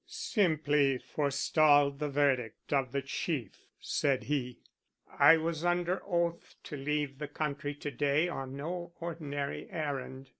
"Simply forestalled the verdict of the Chief," said he. "I was under oath to leave the country to day on no ordinary errand.